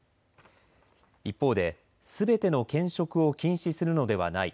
一方ですべての兼職を禁止するのではない。